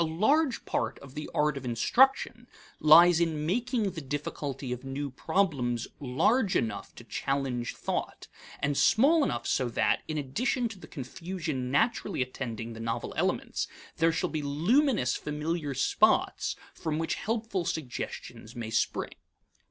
A large part of the art of instruction lies in making the difficulty of new problems large enough to challenge thought, and small enough so that, in addition to the confusion naturally attending the novel elements, there shall be luminous familiar spots from which helpful suggestions may spring.